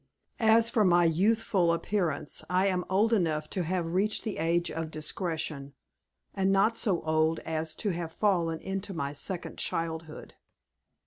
As for my youthful appearance, I am old enough to have reached the age of discretion, and not so old as to have fallen into my second childhood."